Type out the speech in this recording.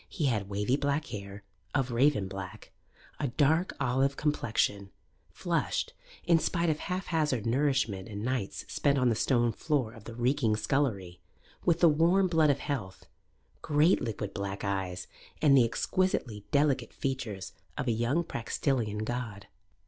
He had wavy black hair, of raven black, a dark olive complexion, flushed, in spite of haphazard nourishment and nights spent on the stone floor of the reeking scullery, with the warm blood of health, great liquid black eyes, and the exquisitely delicate features of a young Praxitelean god.